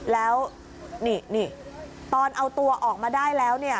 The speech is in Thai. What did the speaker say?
แล้วนี่ตอนเอาตัวออกมาได้แล้วเนี่ย